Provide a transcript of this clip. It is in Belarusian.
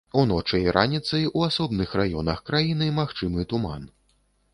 Уночы і раніцай у асобных раёнах краіны магчымы туман.